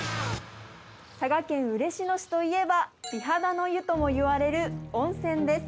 佐賀県嬉野市といえば、美肌の湯ともいわれる温泉です。